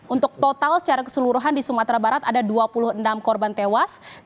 untuk total secara keseluruhan di sumatera barat ada dua puluh enam korban tewas